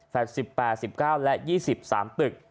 ๑๘๑๙และ๒๓ตึก